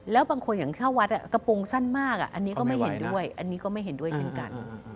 แล้วบางคนอย่างเช่าวัดกระโปรงสั้นมากอันนี้ก็ไม่เห็นด้วยเช่นกัน